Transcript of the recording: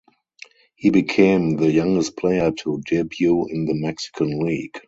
He became the youngest player to debut in the Mexican League.